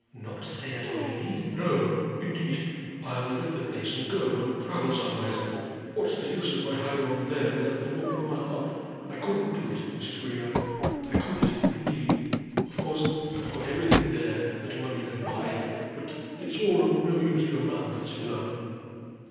"Not stay at Oileymead?" "No, indeed. I'll let the place, and go and travel somewheres. What's the use of my hanging on there without the woman of my heart? I couldn't do it, Mrs. Greenow; I couldn't, indeed. Of course I've got everything there that money can buy, but it's all of no use to a man that's in love.